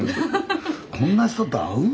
こんな人と会う？